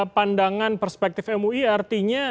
pandangan perspektif mui artinya